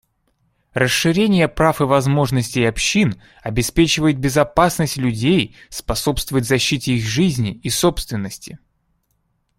Расширение прав и возможностей общин обеспечивает безопасность людей, способствует защите их жизни и собственности.